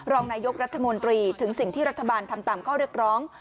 รองนายกรัฐมนตรีถึงสิ่งที่รัฐบาลทำตามข้อเรียกร้อง